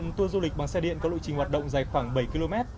một tour du lịch bằng xe điện có lộ trình hoạt động dài khoảng bảy km